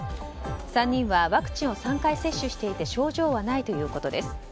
３人はワクチンを３回接種していて症状はないということです。